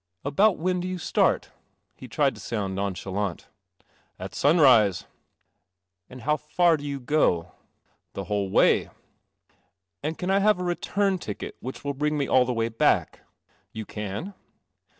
"About when do you start?" He tried to sound nonchalant. " At sunrise." " How far do you go? "" The whole way." " And can I have a return ticket which will bring me all the way back? "" You can."